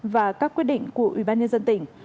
và các quyết định của ủy ban nhân dân tỉnh